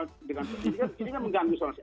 ini kan mengganggu soal soal